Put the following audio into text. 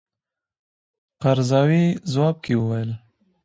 قرضاوي ځواب کې وویل.